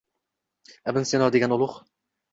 Ibn Sino degan ulugʼ.